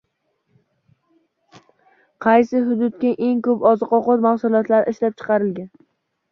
Qaysi hududda eng ko‘p oziq-ovqat mahsulotlari ishlab chiqarilgan?